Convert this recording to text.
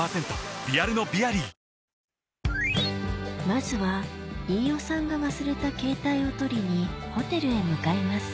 まずは飯尾さんが忘れたケータイを取りにホテルへ向かいます